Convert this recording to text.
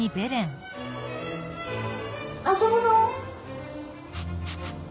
遊ぶの？